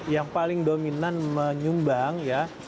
yang paling dominan menyumbang ya